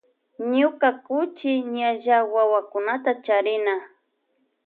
Ñuña kuchi ñalla wawakunta charina.